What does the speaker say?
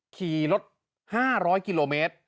ขี่รถ๕๐๐กิโลเมตร